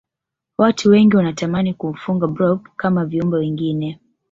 watu wengi wanatamani kumfuga blob kama viumbe wengine